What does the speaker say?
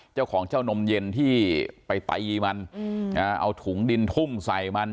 เจ้าของเจ้านมเย็นที่ไปตีมันเอาถุงดินทุ่มใส่มัน